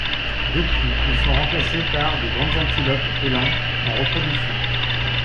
Depuis, ils sont remplacés par des grandes antilopes élands en reproduction.